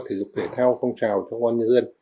thể dục thể thao phong trào trong công an nhân dân